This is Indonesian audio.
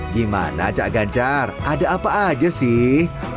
gimana cak ganjar ada apa aja sih